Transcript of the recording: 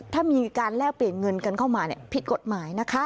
ถ้ามีการแลกเปลี่ยนเงินกันเข้ามาผิดกฎหมายนะคะ